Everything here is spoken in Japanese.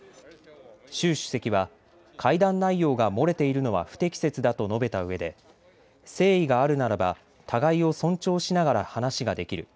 習主席は会談内容が漏れているのは不適切だと述べたうえで誠意があるならば互いを尊重しながら話ができる。